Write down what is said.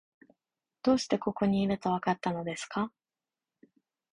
どうしてここにいると、わかったのですか？